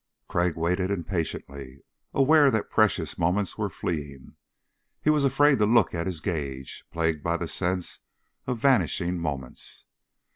Crag waited impatiently, aware that precious moments were fleeing. He was afraid to look at his gauge, plagued by the sense of vanishing moments.